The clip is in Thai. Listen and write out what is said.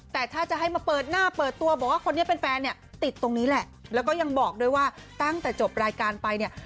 แต่ถ้าจะให้มาเปิดหน้าเปิดตัวบอกว่าคนนี้เป็นแฟนเนี่ยติดตรงนี้แหละแล้วก็ยังบอกด้วยว่าตั้งแต่จบรายการไปเนี่ย